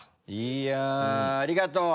いやっありがとう！